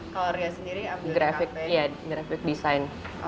kalau ria sendiri graphic design